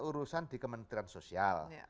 urusan di kementerian sosial